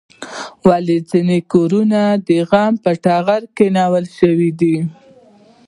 ولې ځینې کورنۍ د غم په ټغر کېنول شوې دي؟